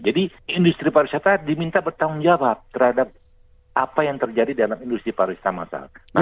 jadi industri pariwisata diminta bertanggung jawab terhadap apa yang terjadi dalam industri pariwisata masalah